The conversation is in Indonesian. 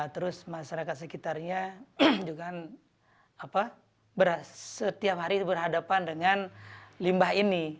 terus masyarakat sekitarnya juga setiap hari berhadapan dengan limbah ini